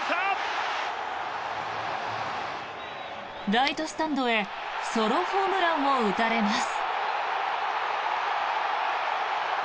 ライトスタンドへソロホームランを打たれます。